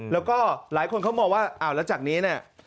แล้วก็หลายคนเขามองว่าอ้าวแล้วจากนี้เนี่ย